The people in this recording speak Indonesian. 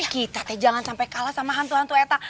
kita teh jangan sampe kalah sama hantu hantu eta